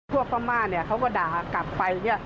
ทั่วประมาณนี่เขาก็ด่ากลับไปนี่